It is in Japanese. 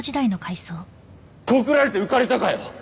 告られて浮かれたかよ